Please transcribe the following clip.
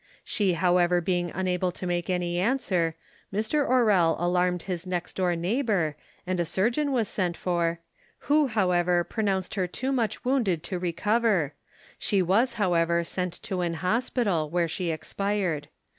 She however being unable to make any answer, Mr. Orrell alarmed his next door neighbour, and a surgeon was sent for, who however pronounced her too much wounded to recover: she was however sent to an hospital, where she expired.